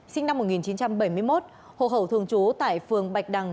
sinh năm một nghìn chín trăm bảy mươi một hồ khẩu thường chố tại phường bạch đằng